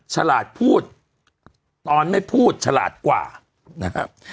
ฉลาดพูดอ่อนไม่พูดฉลาดกว่านะฮะ